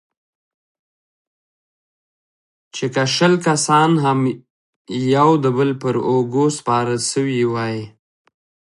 چې که شل کسان هم يو د بل پر اوږو سپاره سوي واى.